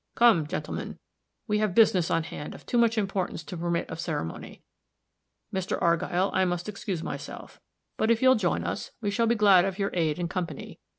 "Come, gentlemen, we have business on hand of too much importance to permit of ceremony. Mr. Argyll, I must excuse myself. But if you'll join us, we shall be glad of your aid and company.